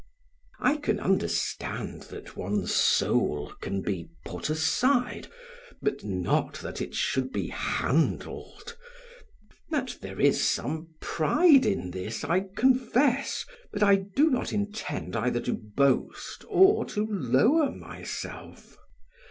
I can understand that one's soul can be put aside but not that it should be handled. That there is some pride in this, I confess, but I do not intend either to boast or to lower myself.